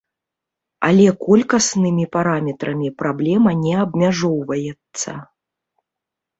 Але колькаснымі параметрамі праблема не абмяжоўваецца.